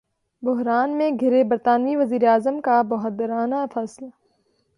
بحران میں گِھرے برطانوی وزیراعظم کا ’بہادرانہ فیصلے‘ کرنے کا اعلان